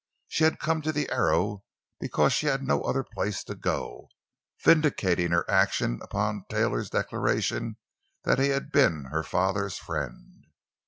She had come to the Arrow because she had no other place to go, vindicating her action upon Taylor's declaration that he had been her father's friend.